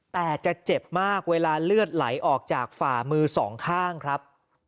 แต่จะเจ็บมากเวลาเลือดไหลออกจากฝ่ามือสองข้างครับ